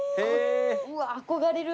うわ憧れる